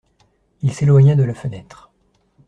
Il s'éloigna de la fenêtre.